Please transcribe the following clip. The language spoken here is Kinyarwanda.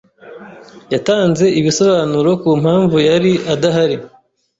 Yatanze ibisobanuro ku mpamvu yari adahari.